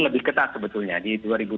lebih ketat sebetulnya di dua ribu dua puluh